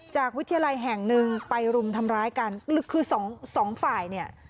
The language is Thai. วิทยาลัยแห่งหนึ่งไปรุมทำร้ายกันคือสองสองฝ่ายเนี่ย